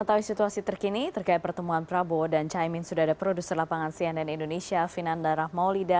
mengetahui situasi terkini terkait pertemuan prabowo dan caimin sudah ada produser lapangan cnn indonesia vinanda rahmaulida